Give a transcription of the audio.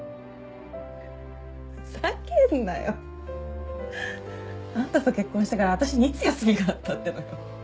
ふざけんなよ。あんたと結婚してから私にいつ休みがあったってのよ。